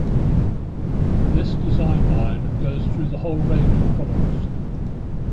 This design line goes through the whole range of products.